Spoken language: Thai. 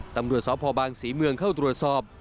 ตำรวจสพบางศรีเมืองเข้าตรวจสอบ